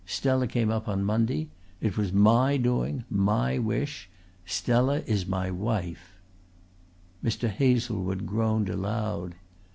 Stella came up on Monday. It was my doing, my wish. Stella is my wife." Mr. Hazlewood groaned aloud.